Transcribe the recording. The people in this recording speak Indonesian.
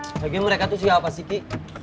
sebagian mereka itu siapa sih ki